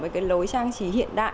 với cái lối trang trí hiện đại